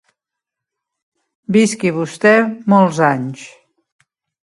Visqui vostè molts anys.